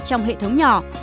trong hệ thống nhỏ